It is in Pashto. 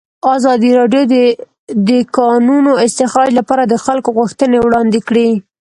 ازادي راډیو د د کانونو استخراج لپاره د خلکو غوښتنې وړاندې کړي.